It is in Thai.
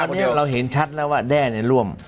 วันนี้เราเห็นชัดแล้วว่าแด้ร่วม